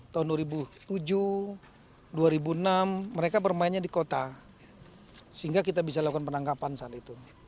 tahun dua ribu tujuh dua ribu enam mereka bermainnya di kota sehingga kita bisa lakukan penangkapan saat itu